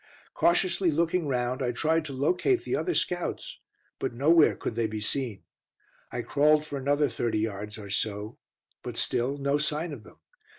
Cautiously looking round, I tried to locate the other scouts, but nowhere could they be seen. I crawled for another thirty yards or so, but still no sign of them.